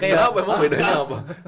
kayaknya apa emang bedanya apa